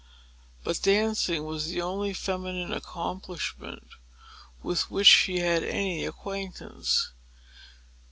But dancing was the only feminine accomplishment with which she had any acquaintance.